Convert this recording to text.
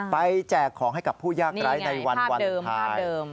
ไปแจกของให้กับผู้ยากร้ายในวันวันไหว